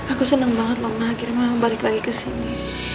aku seneng banget lho mama akhirnya mama balik lagi kesini